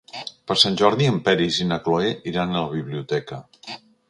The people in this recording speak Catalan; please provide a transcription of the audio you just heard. Per Sant Jordi en Peris i na Cloè iran a la biblioteca.